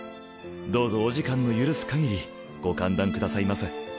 どうぞお時間の許すかぎりご歓談くださいませ。